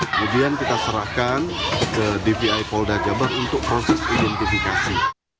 kemudian kita serahkan ke dvi polda jabar untuk proses identifikasi